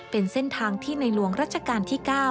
เป็นเส้นทางที่ในหลวงรัชกาลที่๙